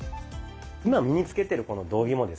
今身に着けてるこの道着もですね